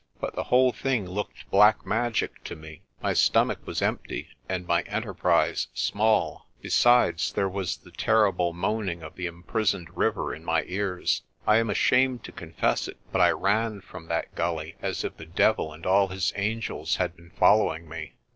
But the whole thing looked black magic to me; my stomach was empty and my enterprise small. Besides, there was the ter rible moaning of the imprisoned river in my ears. I am ashamed to confess it, but I ran from that gully as if the devil and all his angels had been following me.